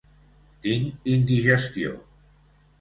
Tinc indigestió.